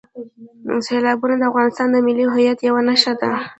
سیلابونه د افغانستان د ملي هویت یوه نښه ده.